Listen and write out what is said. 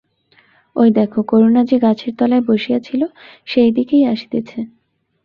ঐ দেখো, করুণা যে গাছের তলায় বসিয়াছিল সেই দিকেই আসিতেছে।